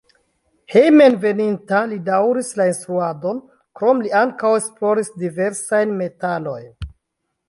Hejmenveninta li daŭris la instruadon, krome li ankaŭ esploris diversajn metalojn.